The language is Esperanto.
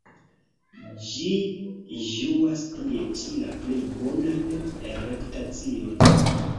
Ĝi ĝuas tie ĉi la plej bonan reputacion.